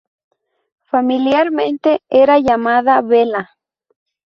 Familiarmente era llamada "Bela".